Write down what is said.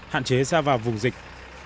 hạn chế ra vào vùng dịch